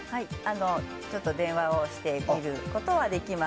ちょっと電話をしてみることはできます。